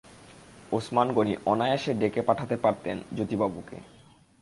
ওসমান গনি অনায়াসে ডেকে পাঠাতে পারতেন জ্যোতিবাবুকে।